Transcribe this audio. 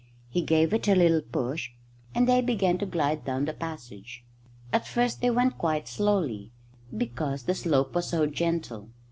He gave it a little push and they began to glide down the passage. At first they went quite slowly, because the slope was so gentle.